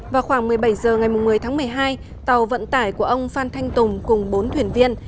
vào khoảng một mươi bảy h ngày một mươi tháng một mươi hai tàu vận tải của ông phan thanh tùng cùng bốn thuyền viên